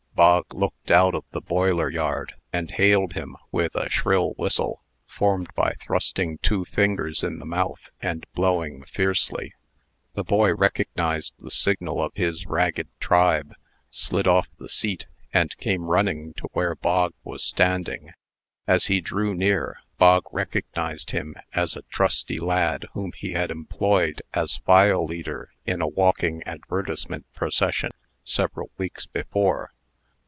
Bog looked out of the boiler yard, and hailed him with a shrill whistle, formed by thrusting two fingers in the mouth, and blowing fiercely. The boy recognized the signal of his ragged tribe, slid off the seat, and came running to where Bog was standing. As he drew near, Bog recognized him as a trusty lad whom he had employed as file leader in a walking advertisement procession, several weeks before.